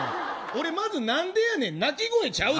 まず、なんでやねんが鳴き声ちゃうで。